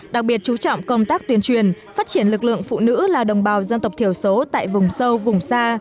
đặc biệt chú trọng công tác tuyên truyền phát triển lực lượng phụ nữ là đồng bào dân tộc thiểu số tại vùng sâu vùng xa